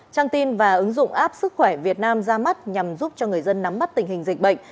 trang tin và ứng dụng app sức khỏe việt nam ra mắt nhằm giúp cho người dân nắm bắt tình hình dịch bệnh